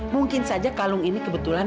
mungkin saja kalung ini kebetulan